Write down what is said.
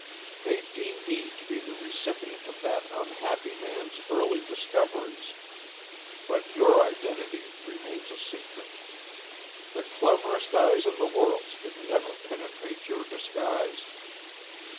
They deem me to be the recipient of that unhappy man's early discoveries. But your identity remains a secret. The cleverest eyes in the world could never penetrate your disguise."